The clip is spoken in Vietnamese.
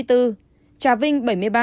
trà vinh bảy mươi ba